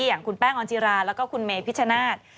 อย่างคุณแป้งออนจิราแล้วก็คุณเมพิชชนาธิ์